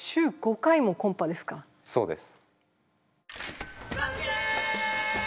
そうです。